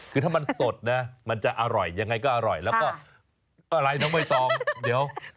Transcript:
คือถ้ามันสดนะมันจะอร่อยยังไงก็อร่อยแล้วก็อะไรน้องใบตองเดี๋ยว